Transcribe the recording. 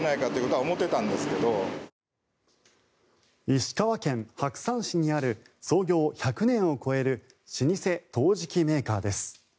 石川県白山市にある創業１００年を超える老舗陶磁器メーカーです。